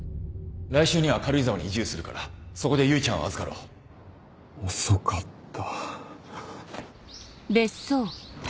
来週には軽井沢に移住するからそこで唯ちゃんを預かろう遅かった。